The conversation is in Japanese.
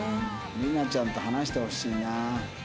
りなちゃんと話してほしいな。